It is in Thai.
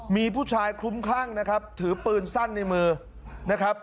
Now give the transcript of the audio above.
มีผู้ชายคลุ้มคลั่งนะครับถือปืนสั้นในมือนะครับ